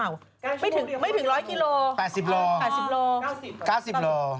ไม่ถึงร้อยกิโล